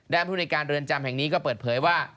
ผู้ในการเรือนจำแห่งนี้ก็เปิดเผยว่า